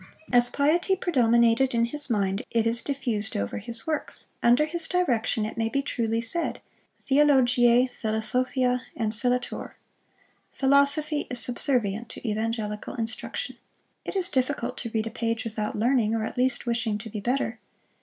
As piety predominated in his mind, it is diffused over his works: under his direction it may be truly said, Theologiae Philosophia ancillatur, philosophy is subservient to evangelical instruction; it is difficult to read a page without learning, or at least wishing to be better.